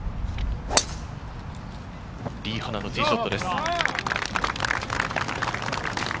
リ・ハナのティーショットです。